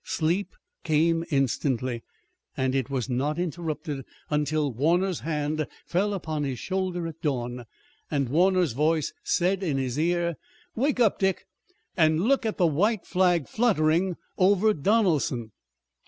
Sleep came instantly, and it was not interrupted until Warner's hand fell upon his shoulder at dawn, and Warner's voice said in his ear: "Wake up, Dick, and look at the white flag fluttering over Donelson."